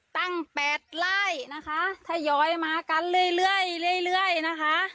แปดไล่นะคะทยอยมากันเรื่อยเรื่อยนะคะ